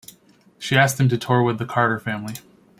She asked them to tour with the Carter Family.